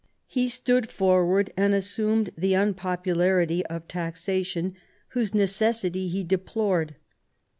He stood forward and assumed the un popularity of taxation, whose necessity he deplored.